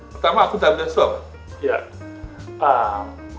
pertama akuntabilitas itu apa